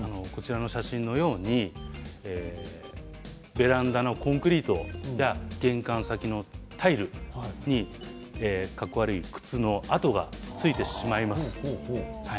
写真のようにベランダのコンクリートや玄関先のタイルにかっこ悪い靴の跡がついてしまいます。